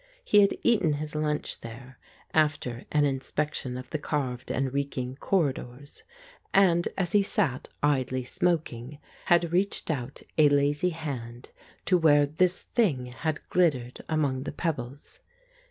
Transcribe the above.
He had eaten his lunch there, after an inspection of the carved and reeking corridors, and, as he sat idly smoking, had reached out a lazy hand to where this thing had glittered among the pebbles.